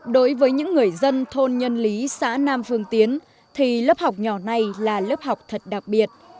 đối với những người dân thôn nhân lý xã nam phương tiến thì lớp học nhỏ này là lớp học thật đặc biệt